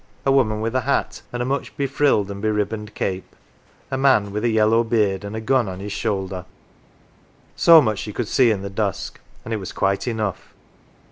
A woman with a hat, and a much be frilled and be ribboned cape; a man with a yellow beard, and a gun on his shoulder. So much she could see in the dusk, and it was quite enough.